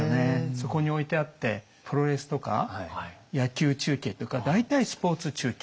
そこに置いてあってプロレスとか野球中継とか大体スポーツ中継。